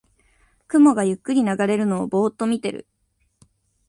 雲がゆっくり流れるのをぼーっと見てる